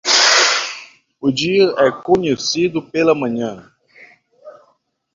O dia é conhecido pela manhã.